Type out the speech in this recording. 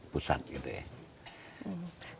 pusat gitu ya